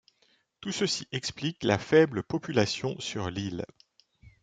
Tout ceci explique la faible population sur l'île.